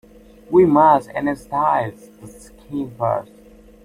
We must anaesthetize the skin first.